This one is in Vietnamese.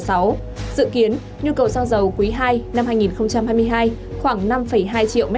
dự kiến nhu cầu xăng dầu quý ii năm hai nghìn hai mươi hai khoảng năm hai triệu m hai